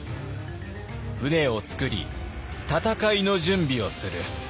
船を造り戦いの準備をする」。